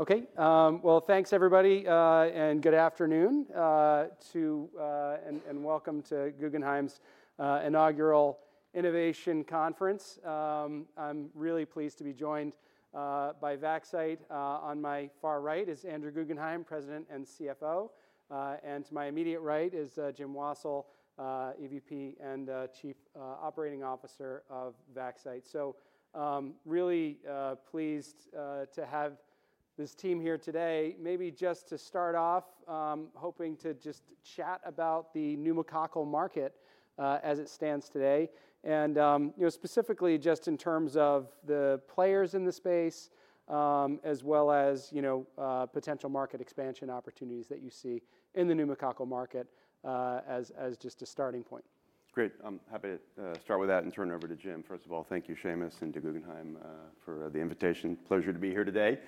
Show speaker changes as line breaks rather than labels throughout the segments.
Okay, well, thanks everybody, and good afternoon and welcome to Guggenheim's inaugural innovation conference. I'm really pleased to be joined by Vaxcyte. On my far right is Andrew Guggenhime, President and CFO, and to my immediate right is Jim Wassil, EVP and Chief Operating Officer of Vaxcyte. So really pleased to have this team here today. Maybe just to start off, hoping to just chat about the pneumococcal market, as it stands today, and you know, specifically just in terms of the players in the space, as well as you know, potential market expansion opportunities that you see in the pneumococcal market, as just a starting point.
Great. I'm happy to start with that and turn it over to Jim. First of all, thank you, Seamus, and to Guggenheim, for the invitation. Pleasure to be here today.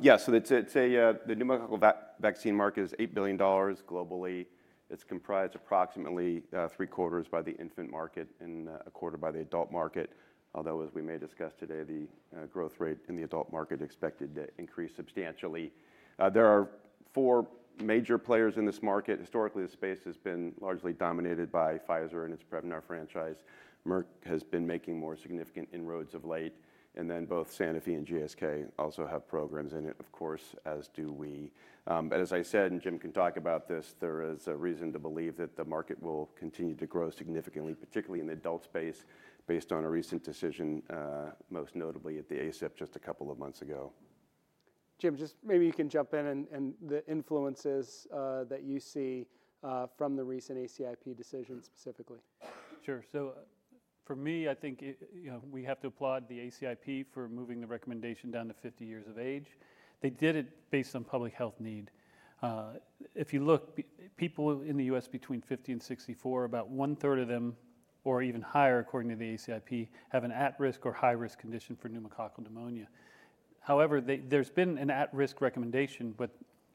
Yeah, so it's the pneumococcal vaccine market is $8 billion globally. It's comprised approximately three quarters by the infant market and a quarter by the adult market, although as we may discuss today, the growth rate in the adult market expected to increase substantially. There are four major players in this market. Historically, the space has been largely dominated by Pfizer and its Prevnar franchise. Merck has been making more significant inroads of late. And then both Sanofi and GSK also have programs in it, of course, as do we. But as I said, and Jim can talk about this, there is a reason to believe that the market will continue to grow significantly, particularly in the adult space, based on a recent decision, most notably at the ACIP just a couple of months ago.
Jim, just maybe you can jump in and the influences that you see from the recent ACIP decision specifically.
Sure. So, for me, I think, you know, we have to applaud the ACIP for moving the recommendation down to 50 years of age. They did it based on public health need. If you look, people in the U.S. between 50 and 64, about one third of them, or even higher, according to the ACIP, have an at-risk or high-risk condition for pneumococcal pneumonia. However, there's been an at-risk recommendation, but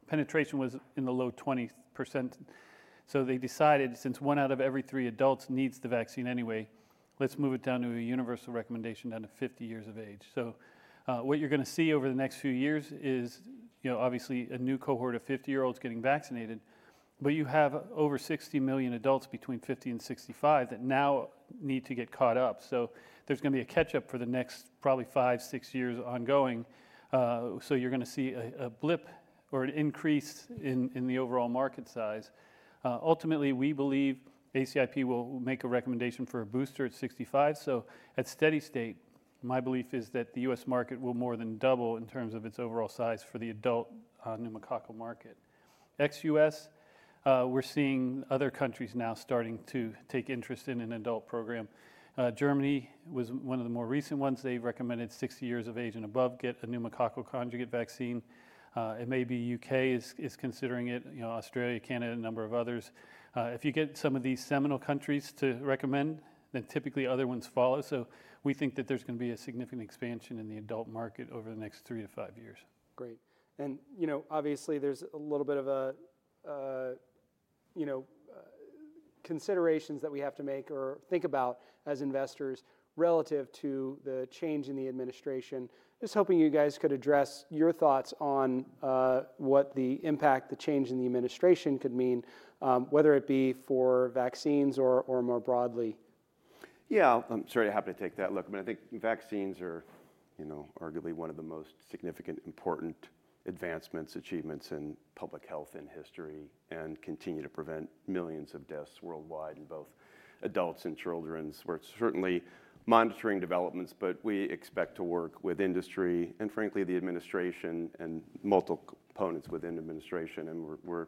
penetration was in the low 20%. So they decided since one out of every three adults needs the vaccine anyway, let's move it down to a universal recommendation down to 50 years of age. So, what you're going to see over the next few years is, you know, obviously a new cohort of 50-year-olds getting vaccinated, but you have over 60 million adults between 50 and 65 that now need to get caught up. So there's going to be a catch-up for the next probably five, six years ongoing. So you're going to see a blip or an increase in the overall market size. Ultimately, we believe ACIP will make a recommendation for a booster at 65. So at steady state, my belief is that the U.S. market will more than double in terms of its overall size for the adult pneumococcal market. Ex-U.S., we're seeing other countries now starting to take interest in an adult program. Germany was one of the more recent ones. They recommended 60 years of age and above get a pneumococcal conjugate vaccine. It may be U.K. is considering it, you know, Australia, Canada, a number of others. If you get some of these seminal countries to recommend, then typically other ones follow. We think that there's going to be a significant expansion in the adult market over the next three to five years.
Great. And, you know, obviously there's a little bit of a, you know, considerations that we have to make or think about as investors relative to the change in the administration. Just hoping you guys could address your thoughts on, what the impact, the change in the administration could mean, whether it be for vaccines or, or more broadly.
Yeah, I'm certainly happy to take that look. I mean, I think vaccines are, you know, arguably one of the most significant, important advancements, achievements in public health in history and continue to prevent millions of deaths worldwide in both adults and children. So we're certainly monitoring developments, but we expect to work with industry and frankly the administration and multiple components within the administration. And we're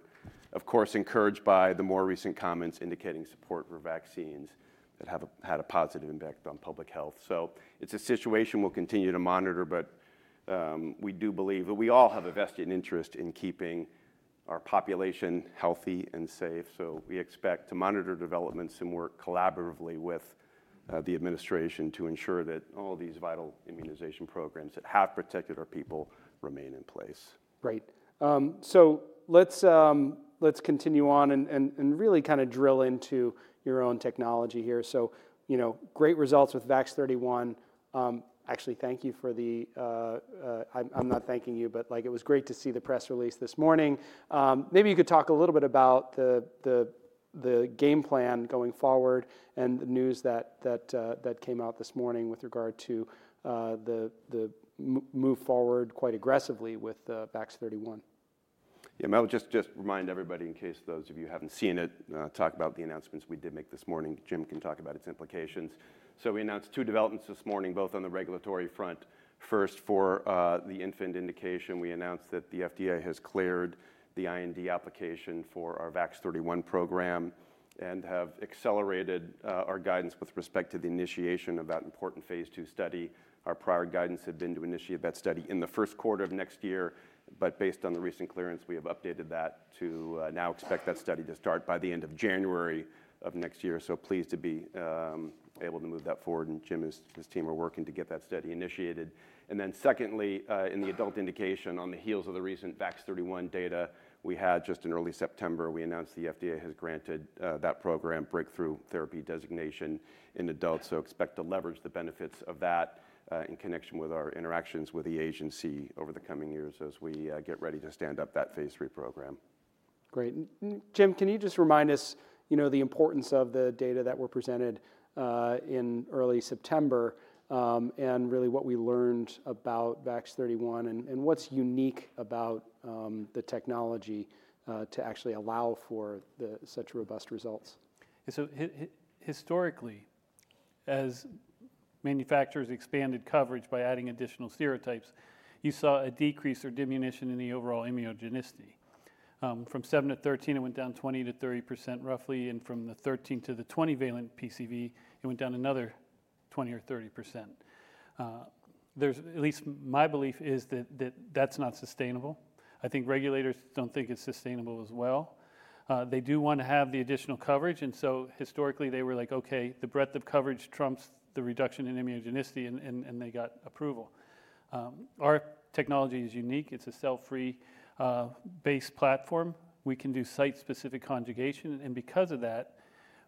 of course encouraged by the more recent comments indicating support for vaccines that have had a positive impact on public health. So it's a situation we'll continue to monitor, but we do believe that we all have a vested interest in keeping our population healthy and safe. So we expect to monitor developments and work collaboratively with the administration to ensure that all these vital immunization programs that have protected our people remain in place.
Great. So let's continue on and really kind of drill into your own technology here. So, you know, great results with VAX-31. Actually, thank you for the, I'm not thanking you, but like, it was great to see the press release this morning. Maybe you could talk a little bit about the game plan going forward and the news that came out this morning with regard to the move forward quite aggressively with VAX-31.
Yeah, I mean, I'll just remind everybody in case those of you haven't seen it, talk about the announcements we did make this morning. Jim can talk about its implications. So we announced two developments this morning, both on the regulatory front. First, for the infant indication, we announced that the FDA has cleared the IND application for our VAX-31 program and have accelerated our guidance with respect to the initiation of that important phase II study. Our prior guidance had been to initiate that study in the first quarter of next year, but based on the recent clearance, we have updated that to now expect that study to start by the end of January of next year. So pleased to be able to move that forward. And Jim and his team are working to get that study initiated. And then secondly, in the adult indication, on the heels of the recent VAX-31 data, we had just in early September, we announced the FDA has granted that program breakthrough therapy designation in adults. So expect to leverage the benefits of that, in connection with our interactions with the agency over the coming years as we get ready to stand up that phase III program.
Great. Jim, can you just remind us, you know, the importance of the data that were presented, in early September, and really what we learned about VAX-31 and what's unique about the technology, to actually allow for the such robust results?
And so historically, as manufacturers expanded coverage by adding additional serotypes, you saw a decrease or diminution in the overall immunogenicity. From 7-13, it went down 20%-30% roughly. From the 13 to the 20-valent PCV, it went down another 20%-30%. There's at least my belief is that that's not sustainable. I think regulators don't think it's sustainable as well. They do want to have the additional coverage. And so historically they were like, okay, the breadth of coverage trumps the reduction in immunogenicity and they got approval. Our technology is unique. It's a cell-free-based platform. We can do site-specific conjugation. And because of that,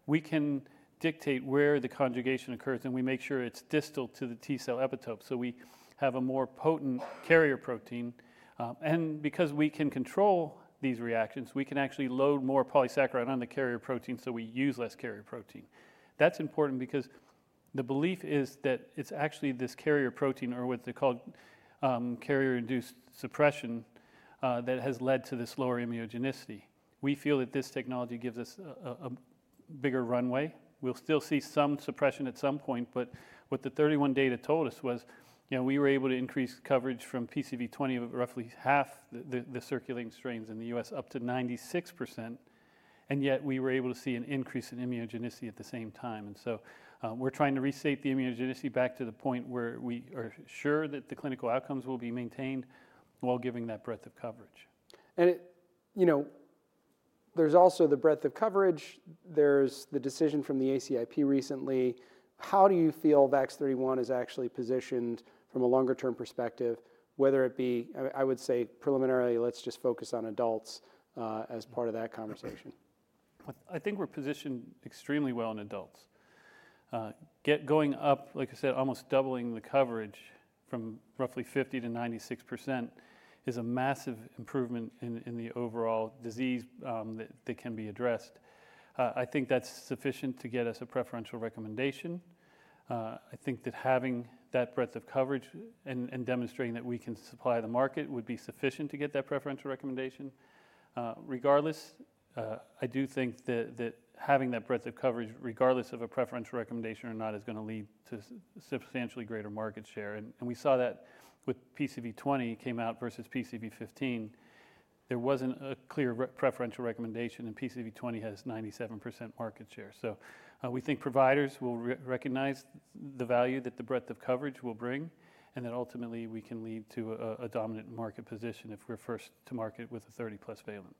we can dictate where the conjugation occurs and we make sure it's distal to the T cell epitope. So we have a more potent carrier protein. And because we can control these reactions, we can actually load more polysaccharide on the carrier protein. So we use less carrier protein. That's important because the belief is that it's actually this carrier protein or what they call carrier-induced suppression that has led to this lower immunogenicity. We feel that this technology gives us a bigger runway. We'll still see some suppression at some point, but what the 31 data told us was, you know, we were able to increase coverage from PCV20 of roughly half the circulating strains in the U.S. up to 96%. And yet we were able to see an increase in immunogenicity at the same time. And so, we're trying to reset the immunogenicity back to the point where we are sure that the clinical outcomes will be maintained while giving that breadth of coverage.
It, you know, there's also the breadth of coverage. There's the decision from the ACIP recently. How do you feel VAX-31 is actually positioned from a longer-term perspective, whether it be, I would say preliminarily, let's just focus on adults, as part of that conversation?
I think we're positioned extremely well in adults. Going up, like I said, almost doubling the coverage from roughly 50%-96% is a massive improvement in the overall disease that can be addressed. I think that's sufficient to get us a preferential recommendation. I think that having that breadth of coverage and demonstrating that we can supply the market would be sufficient to get that preferential recommendation. Regardless, I do think that having that breadth of coverage, regardless of a preferential recommendation or not, is going to lead to substantially greater market share. And we saw that with PCV20 came out versus PCV15, there wasn't a clear preferential recommendation. And PCV20 has 97% market share. We think providers will recognize the value that the breadth of coverage will bring and that ultimately we can lead to a dominant market position if we're first to market with a 30+ valent.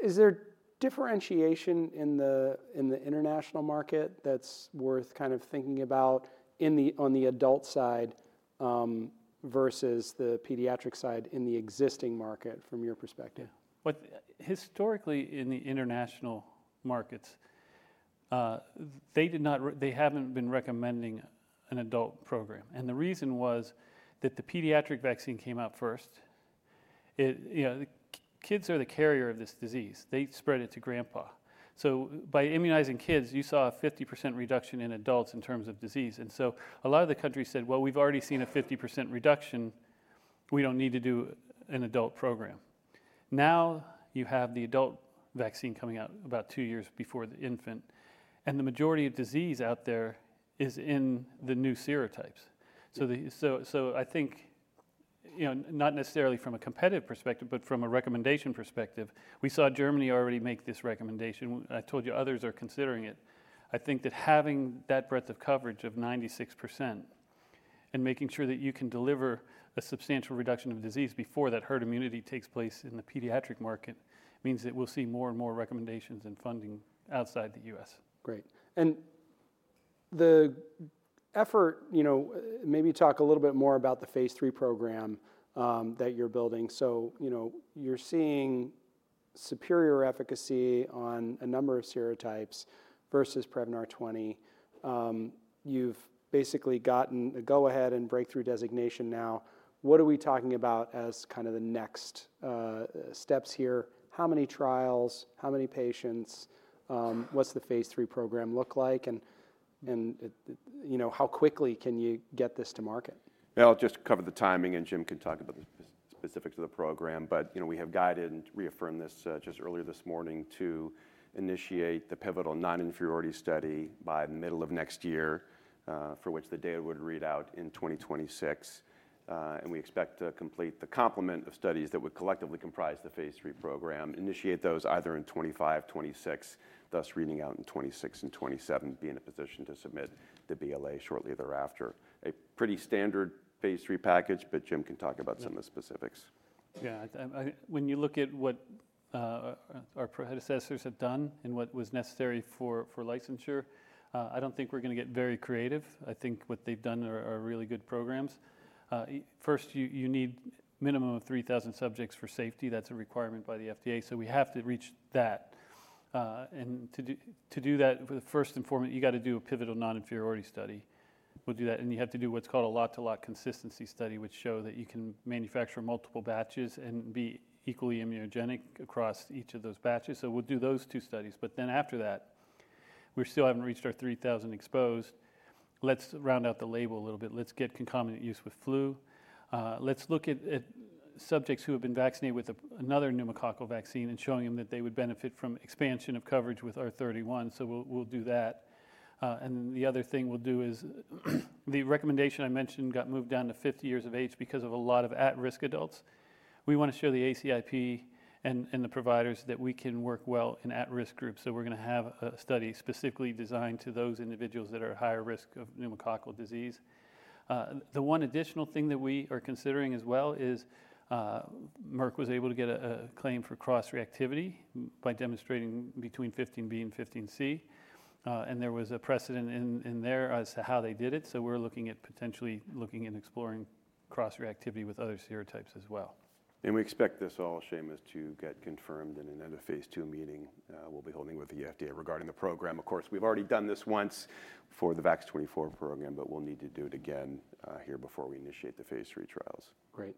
Is there differentiation in the international market that's worth kind of thinking about on the adult side, versus the pediatric side in the existing market from your perspective?
Yeah. Well, historically in the international markets, they did not. They haven't been recommending an adult program. And the reason was that the pediatric vaccine came out first. It, you know, kids are the carrier of this disease. They spread it to grandpa. So by immunizing kids, you saw a 50% reduction in adults in terms of disease. And so a lot of the countries said, well, we've already seen a 50% reduction. We don't need to do an adult program. Now you have the adult vaccine coming out about two years before the infant. And the majority of disease out there is in the new serotypes. So I think, you know, not necessarily from a competitive perspective, but from a recommendation perspective, we saw Germany already make this recommendation. I told you others are considering it. I think that having that breadth of coverage of 96% and making sure that you can deliver a substantial reduction of disease before that herd immunity takes place in the pediatric market means that we'll see more and more recommendations and funding outside the U.S.
Great. And the effort, you know, maybe talk a little bit more about the phase III program that you're building. So, you know, you're seeing superior efficacy on a number of serotypes versus Prevnar 20. You've basically gotten the go-ahead and breakthrough designation now. What are we talking about as kind of the next steps here? How many trials, how many patients, what's the phase III program look like? And, you know, how quickly can you get this to market?
Yeah, I'll just cover the timing and Jim can talk about the specifics of the program. But, you know, we have guided and reaffirmed this, just earlier this morning to initiate the pivotal non-inferiority study by the middle of next year, for which the data would read out in 2026, and we expect to complete the complement of studies that would collectively comprise the phase III program, initiate those either in 2025, 2026, thus reading out in 2026 and 2027, being in a position to submit the BLA shortly thereafter. A pretty standard phase III package, but Jim can talk about some of the specifics.
Yeah, I when you look at what our predecessors have done and what was necessary for licensure, I don't think we're going to get very creative. I think what they've done are really good programs. First, you need minimum of 3,000 subjects for safety. That's a requirement by the FDA. So we have to reach that. And to do that, first and foremost, you got to do a pivotal non-inferiority study. We'll do that. And you have to do what's called a lot-to-lot consistency study, which shows that you can manufacture multiple batches and be equally immunogenic across each of those batches. So we'll do those two studies. But then after that, we still haven't reached our 3,000 exposed. Let's round out the label a little bit. Let's get concomitant use with flu. Let's look at subjects who have been vaccinated with another pneumococcal vaccine and showing them that they would benefit from expansion of coverage with VAX-31, so we'll do that, and then the other thing we'll do is the recommendation I mentioned got moved down to 50 years of age because of a lot of at-risk adults. We want to show the ACIP and the providers that we can work well in at-risk groups. So we're going to have a study specifically designed to those individuals that are at higher risk of pneumococcal disease. The one additional thing that we are considering as well is Merck was able to get a claim for cross-reactivity by demonstrating between 15B and 15C, and there was a precedent in there as to how they did it. We're looking at potentially exploring cross-reactivity with other serotypes as well.
We expect this all, Seamus, to get confirmed in another phase II meeting we'll be holding with the FDA regarding the program. Of course, we've already done this once for the VAX-24 program, but we'll need to do it again here before we initiate the phase III trials.
Great.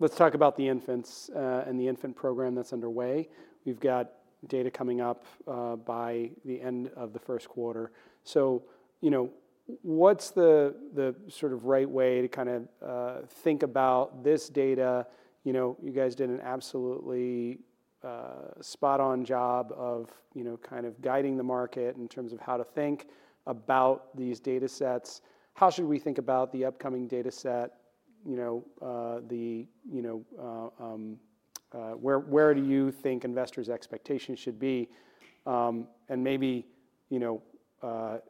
Let's talk about the infants, and the infant program that's underway. We've got data coming up, by the end of the first quarter. So, you know, what's the sort of right way to kind of think about this data? You know, you guys did an absolutely spot-on job of, you know, kind of guiding the market in terms of how to think about these data sets. How should we think about the upcoming data set, you know, where do you think investors' expectations should be? And maybe, you know,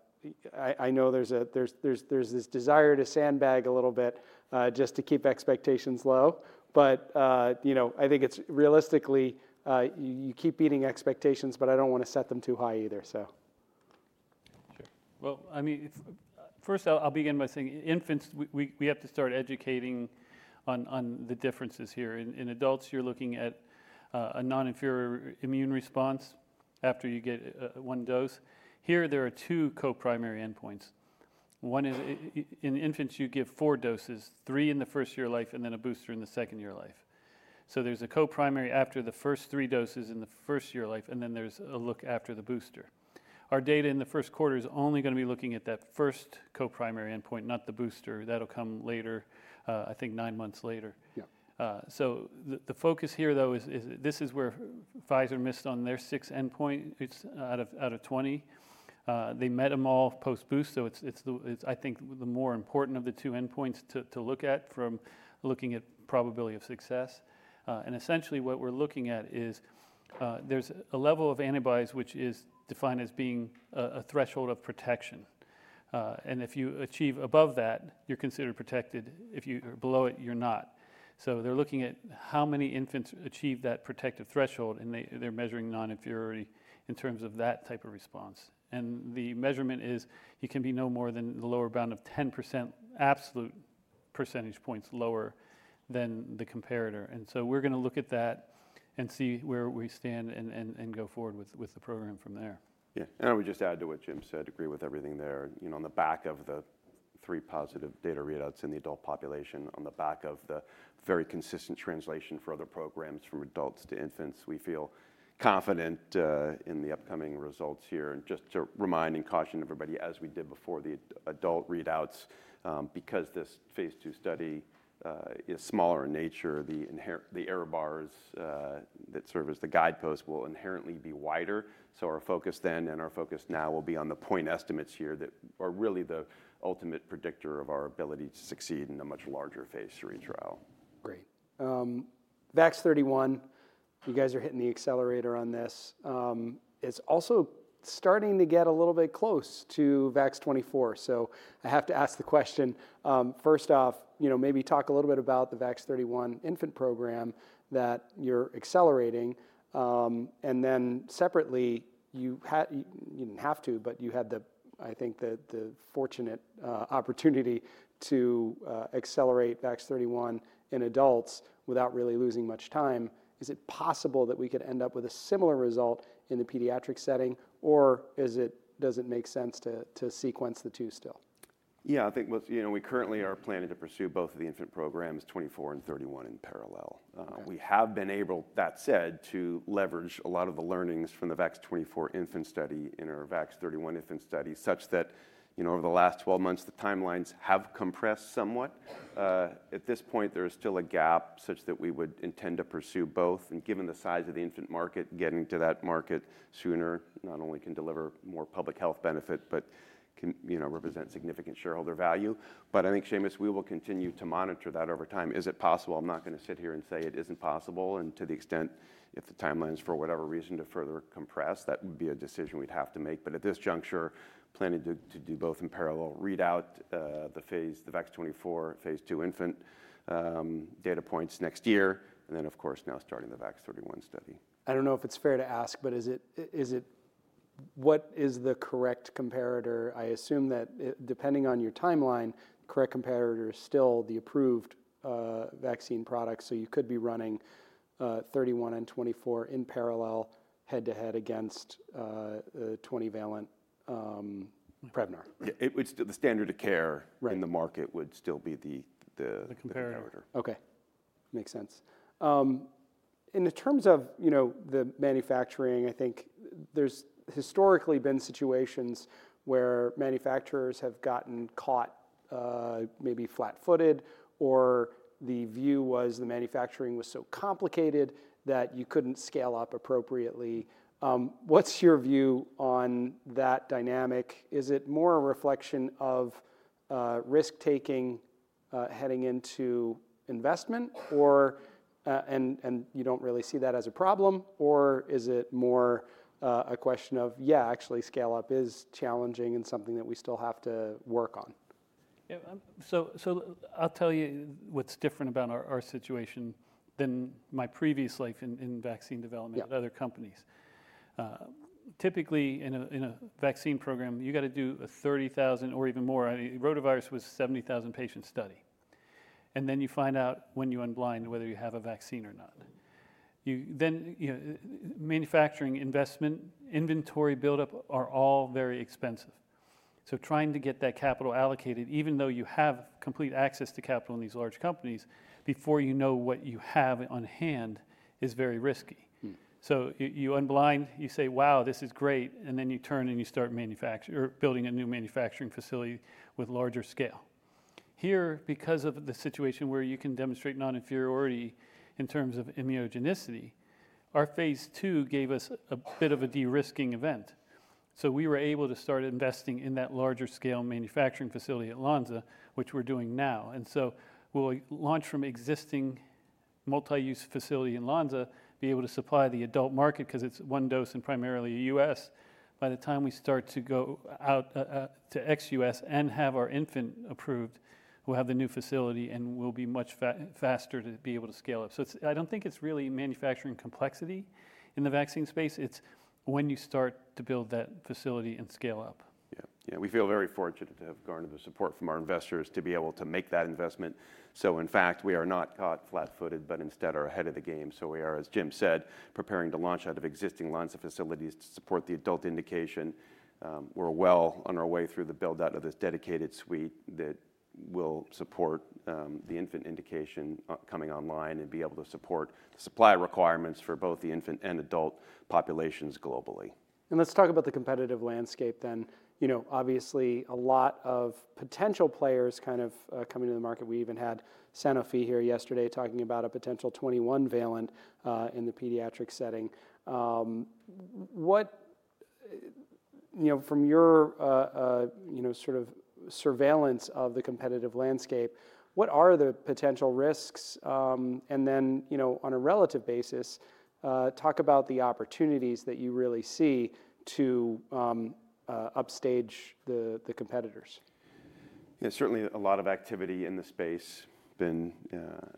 I know there's this desire to sandbag a little bit, just to keep expectations low. But, you know, I think it's realistically, you keep beating expectations, but I don't want to set them too high either. So.
Sure. Well, I mean, it's first, I'll begin by saying infants, we have to start educating on the differences here. In adults, you're looking at a non-inferior immune response after you get one dose. Here, there are two co-primary endpoints. One is in infants, you give four doses, three in the first year of life, and then a booster in the second year of life. So there's a co-primary after the first three doses in the first year of life, and then there's a look after the booster. Our data in the first quarter is only going to be looking at that first co-primary endpoint, not the booster. That'll come later, I think nine months later.
Yeah.
So the focus here though is this is where Pfizer missed on their six endpoints. It's out of 20. They met them all post-boost. So it's the more important of the two endpoints to look at from looking at probability of success. And essentially what we're looking at is there's a level of antibodies which is defined as being a threshold of protection. And if you achieve above that, you're considered protected. If you are below it, you're not. So they're looking at how many infants achieve that protective threshold, and they're measuring non-inferiority in terms of that type of response. And the measurement is it can be no more than the lower bound of 10% absolute percentage points lower than the comparator. And so we're going to look at that and see where we stand and go forward with the program from there.
Yeah. I would just add to what Jim said, agree with everything there. You know, on the back of the three positive data readouts in the adult population, on the back of the very consistent translation for other programs from adults to infants, we feel confident in the upcoming results here. Just to remind and caution everybody, as we did before the adult readouts, because this phase II study is smaller in nature, the inherent error bars that serve as the guidepost will inherently be wider. So our focus then and our focus now will be on the point estimates here that are really the ultimate predictor of our ability to succeed in a much larger phase III trial.
Great. VAX-31, you guys are hitting the accelerator on this. It's also starting to get a little bit close to VAX-24. So I have to ask the question, first off, you know, maybe talk a little bit about the VAX-31 infant program that you're accelerating. And then separately, you had, you didn't have to, but you had the, I think the fortunate opportunity to accelerate VAX-31 in adults without really losing much time. Is it possible that we could end up with a similar result in the pediatric setting, or does it make sense to sequence the two still?
Yeah, I think, you know, we currently are planning to pursue both of the infant programs, 24 and 31 in parallel. We have been able, that said, to leverage a lot of the learnings from the VAX-24 infant study in our VAX-31 infant study such that, you know, over the last 12 months, the timelines have compressed somewhat. At this point, there is still a gap such that we would intend to pursue both. And given the size of the infant market, getting to that market sooner not only can deliver more public health benefit, but can, you know, represent significant shareholder value. But I think, Seamus, we will continue to monitor that over time. Is it possible? I'm not going to sit here and say it isn't possible. And to the extent, if the timelines for whatever reason to further compress, that would be a decision we'd have to make. But at this juncture, planning to do both in parallel, read out the phase II VAX-24 infant data points next year. And then, of course, now starting the VAX-31 study.
I don't know if it's fair to ask, but is it, what is the correct comparator? I assume that depending on your timeline, correct comparator is still the approved vaccine product, so you could be running 31 and 24 in parallel, head to head against 20-valent Prevnar.
Yeah. It would still, the standard of care in the market would still be the comparator.
The comparator. Okay. Makes sense. In terms of, you know, the manufacturing, I think there's historically been situations where manufacturers have gotten caught, maybe flat-footed or the view was the manufacturing was so complicated that you couldn't scale up appropriately. What's your view on that dynamic? Is it more a reflection of risk-taking heading into investment or and you don't really see that as a problem, or is it more a question of, yeah, actually scale up is challenging and something that we still have to work on?
Yeah. So I'll tell you what's different about our situation than my previous life in vaccine development at other companies. Typically in a vaccine program, you got to do a 30,000 or even more. Rotavirus was a 70,000 patient study. And then you find out when you unblind whether you have a vaccine or not. You then, you know, manufacturing investment, inventory buildup are all very expensive. So trying to get that capital allocated, even though you have complete access to capital in these large companies before you know what you have on hand is very risky. So you unblind, you say, wow, this is great. And then you turn and you start manufacturing or building a new manufacturing facility with larger scale. Here, because of the situation where you can demonstrate non-inferiority in terms of immunogenicity, our phase II gave us a bit of a de-risking event. So we were able to start investing in that larger scale manufacturing facility at Lonza, which we're doing now. And so we'll launch from existing multi-use facility in Lonza, be able to supply the adult market because it's one dose and primarily a U.S. By the time we start to go out, to ex-U.S. and have our infant approved, we'll have the new facility and we'll be much faster to be able to scale up. So it's, I don't think it's really manufacturing complexity in the vaccine space. It's when you start to build that facility and scale up.
Yeah. Yeah. We feel very fortunate to have garnered the support from our investors to be able to make that investment. So in fact, we are not caught flat-footed, but instead are ahead of the game. So we are, as Jim said, preparing to launch out of existing Lonza facilities to support the adult indication. We're well on our way through the buildout of this dedicated suite that will support the infant indication coming online and be able to support the supply requirements for both the infant and adult populations globally.
And let's talk about the competitive landscape then. You know, obviously a lot of potential players kind of coming to the market. We even had Sanofi here yesterday talking about a potential 21-valent in the pediatric setting. You know, from your, you know, sort of surveillance of the competitive landscape, what are the potential risks? And then, you know, on a relative basis, talk about the opportunities that you really see to upstage the competitors.
Yeah. Certainly a lot of activity in the space.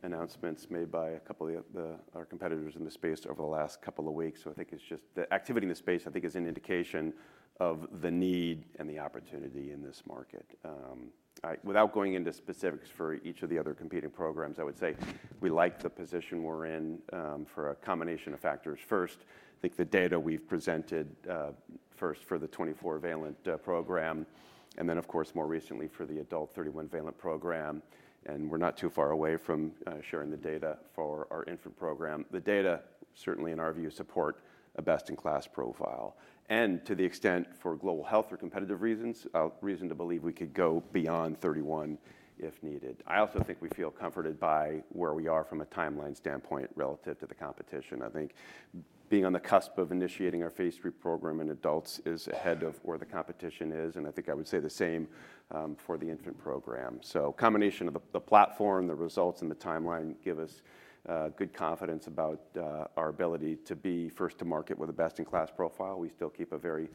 Announcements made by a couple of our competitors in the space over the last couple of weeks. So I think it's just the activity in the space I think is an indication of the need and the opportunity in this market. Without going into specifics for each of the other competing programs, I would say we like the position we're in, for a combination of factors. First, I think the data we've presented, first for the 24-valent program, and then of course, more recently for the adult 31-valent program, and we're not too far away from sharing the data for our infant program. The data certainly in our view support a best-in-class profile, and to the extent for global health or competitive reasons, reason to believe we could go beyond 31 if needed. I also think we feel comforted by where we are from a timeline standpoint relative to the competition. I think being on the cusp of initiating our phase III program in adults is ahead of where the competition is. I think I would say the same for the infant program. Combination of the platform, the results, and the timeline give us good confidence about our ability to be first to market with a best-in-class profile. We still keep a very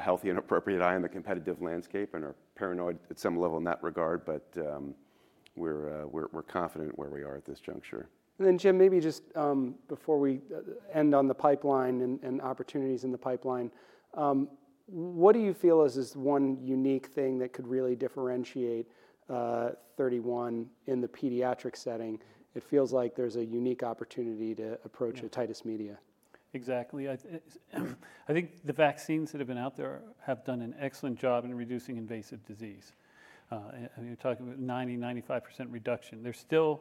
healthy and appropriate eye on the competitive landscape and are paranoid at some level in that regard. We're confident where we are at this juncture.
And then Jim, maybe just before we end on the pipeline and opportunities in the pipeline, what do you feel is one unique thing that could really differentiate 31 in the pediatric setting? It feels like there's a unique opportunity to approach otitis media.
Exactly. I think the vaccines that have been out there have done an excellent job in reducing invasive disease, and you're talking about a 90%-95% reduction. There's still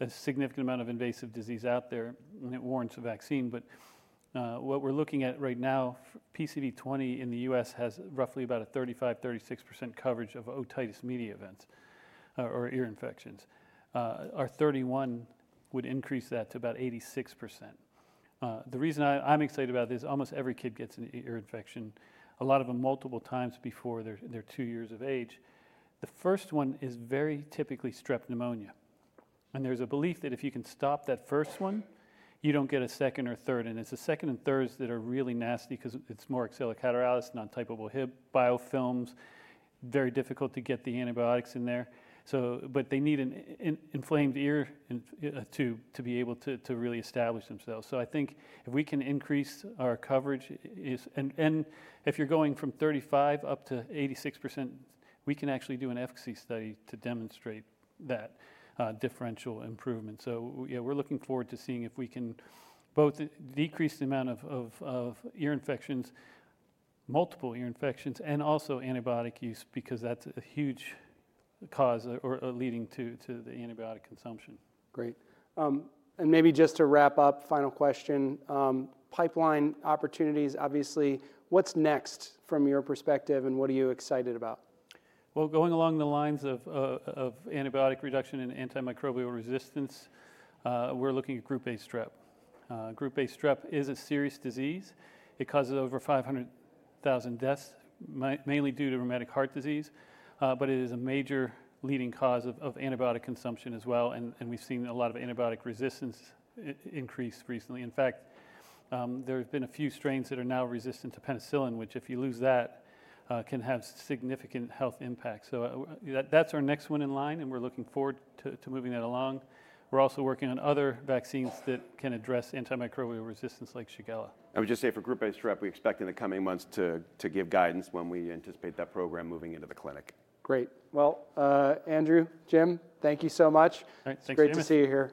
a significant amount of invasive disease out there and it warrants a vaccine. But what we're looking at right now, PCV20 in the U.S. has roughly about a 35%-36% coverage of otitis media events, or ear infections. Our 31 would increase that to about 86%. The reason I'm excited about this, almost every kid gets an ear infection, a lot of them multiple times before their two years of age. The first one is very typically Strep pneumoniae, and there's a belief that if you can stop that first one, you don't get a second or third. It's the second and thirds that are really nasty because it's more accelerated, not typical Hib biofilms, very difficult to get the antibiotics in there. But they need an inflamed ear to be able to really establish themselves. I think if we can increase our coverage, and if you're going from 35% up to 86%, we can actually do an efficacy study to demonstrate that differential improvement. Yeah, we're looking forward to seeing if we can both decrease the amount of ear infections, multiple ear infections, and also antibiotic use because that's a huge cause or leading to the antibiotic consumption.
Great. And maybe just to wrap up, final question, pipeline opportunities, obviously, what's next from your perspective and what are you excited about?
Going along the lines of antibiotic reduction and antimicrobial resistance, we're looking at Group A Strep. Group A Strep is a serious disease. It causes over 500,000 deaths, mainly due to rheumatic heart disease. It is a major leading cause of antibiotic consumption as well. We've seen a lot of antibiotic resistance increased recently. In fact, there have been a few strains that are now resistant to penicillin, which if you lose that, can have significant health impacts. That's our next one in line and we're looking forward to moving that along. We're also working on other vaccines that can address antimicrobial resistance like Shigella.
I would just say for Group A Strep, we expect in the coming months to give guidance when we anticipate that program moving into the clinic.
Great. Well, Andrew, Jim, thank you so much.
All right. Thanks for having me.
Great to see you here.